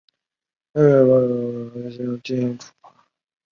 该公司曾因未取得许可证而进行网络游戏经营被文化执法部门处罚。